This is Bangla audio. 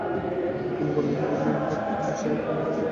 তিনি বলে গেছেন, আপনি এলে আপনাকে বসিয়ে রাখতে–আপনার আজ পরীক্ষা হবে।